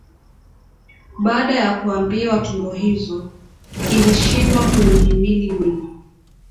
Baada ya kuambiwa tungo hizo, ilishindwa kuuhimili mwili